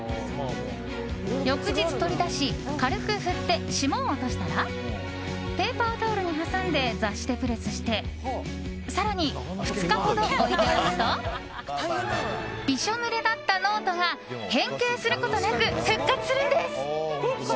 翌日取り出し軽く振って霜を落としたらペーパータオルに挟んで雑誌でプレスして更に２日ほど置いておくとびしょぬれだったノートが変形することなく復活するんです。